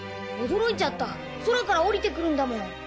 驚いちゃった空から降りて来るんだもん。